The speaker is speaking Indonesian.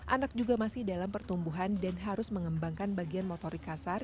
anak juga masih dalam pertumbuhan dan harus mengembangkan bagian motorik kasar